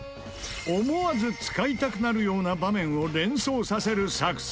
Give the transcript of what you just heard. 思わず使いたくなるような場面を連想させる作戦